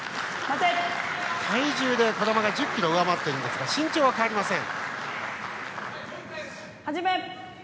体重では児玉が１０ｋｇ上回っていますが身長は変わりません。